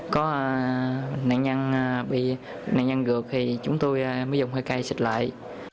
có nạn nhân bị nạn nhân gược thì chúng tôi mới dùng hơi cay xịt lại